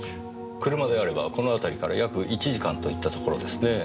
車であればこの辺りから約１時間といったところですね。